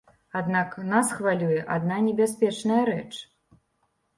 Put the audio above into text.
Аднак, нас хвалюе адна небяспечная рэч.